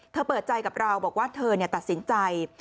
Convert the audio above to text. เปิดใจกับเราบอกว่าเธอตัดสินใจ